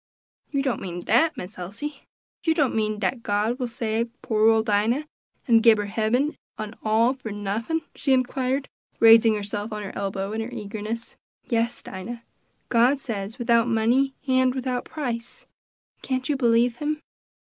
'" "You don't mean dat, Miss Elsie! You don't mean dat God will save poor ole Dinah, an' gib her hebben, an' all for nuffin?" she inquired, raising herself on her elbow in her eagerness. "Yes, Dinah; God says without money and without price; can't you believe him?